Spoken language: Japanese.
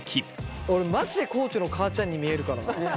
俺マジで地の母ちゃんに見えるからな。